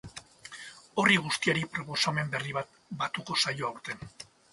Horri guztiari proposamen berri bat batuko zaio aurten.